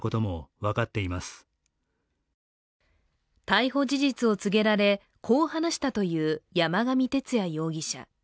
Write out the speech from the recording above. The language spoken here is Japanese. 逮捕事実を告げられこう話したという山上徹也容疑者。